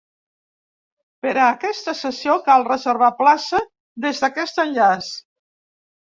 Per a aquesta sessió cal reservar plaça des d’aquest enllaç.